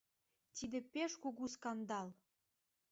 Тиде пеш кугу скандал!